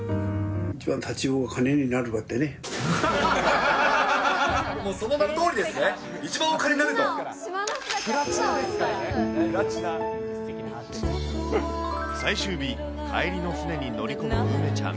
一番、その名のとおりですね、最終日、帰りの船に乗り込む梅ちゃん。